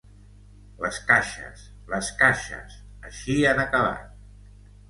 Les caixes, les caixes… així han acabat.